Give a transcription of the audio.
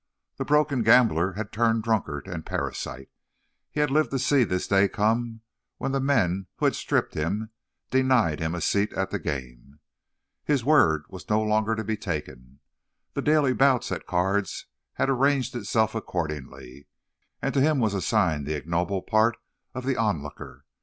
The broken gambler had turned drunkard and parasite; he had lived to see this day come when the men who had stripped him denied him a seat at the game. His word was no longer to be taken. The daily bouts at cards had arranged itself accordingly, and to him was assigned the ignoble part of the onlooker.